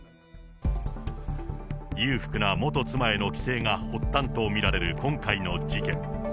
裕福な元妻への寄生が発端と見られる今回の事件。